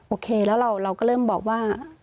โอเคแล้วเราก็เริ่มบอกว่า